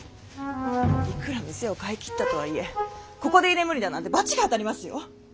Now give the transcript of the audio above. いくら見世を買い切ったとはいえここで居眠りだなんて罰が当たりますよ！